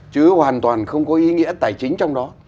chứ hoàn toàn không có ý nghĩa tài chính trong đó